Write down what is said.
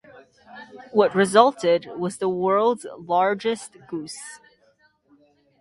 What resulted was the "Worlds Largest Goose".